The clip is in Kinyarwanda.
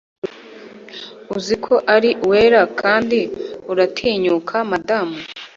uzi ko ari uwera, kandi uratinyuka, madamu